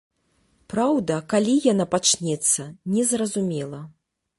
Праўда, калі яна пачнецца, незразумела.